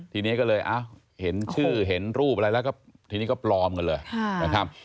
ทีนี้ก็เลยเห็นชื่อเห็นรูปอะไรแล้วก็ทีนี้ก็ปลอมกันเลยนะครับ